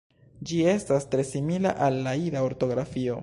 Ĝi estas tre simila al la Ida ortografio.